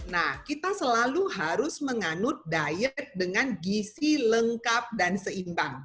nah kita selalu harus menganut diet dengan gisi lengkap dan seimbang